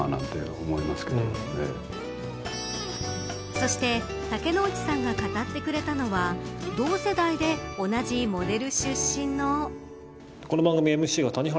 そして竹之内さんが語ってくれたのは同世代で同じモデル出身の。